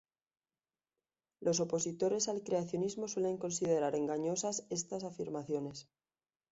Los opositores al creacionismo suelen considerar engañosas estas afirmaciones.